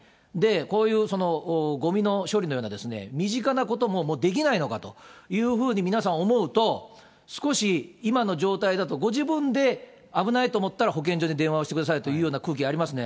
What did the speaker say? こういうごみの処理のような、身近なことももうできないのかなというふうに皆さん思うと、少し今の状態だと、ご自分で危ないと思ったら保健所に電話をしてくださいという空気ありますね。